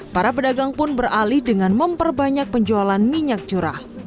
para pedagang pun beralih dengan memperbanyak penjualan minyak curah